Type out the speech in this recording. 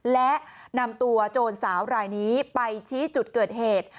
และนำตัวโจรสาวรายนี้ไปชี้จุดเกิดเหตุ